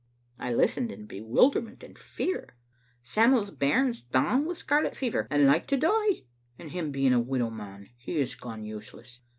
" I listened in bewilderment and fear. "Sam'l's bairn's down wi' scarlet fever and like to die, and him being a widow man he has gone useless.